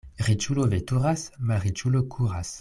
Riĉulo veturas, malriĉulo kuras.